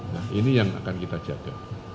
nah ini yang akan kita jaga